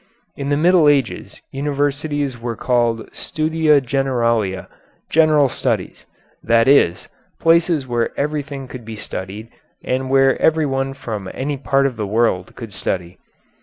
In the Middle Ages universities were called studia generalia, general studies that is, places where everything could be studied and where everyone from any part of the world could study.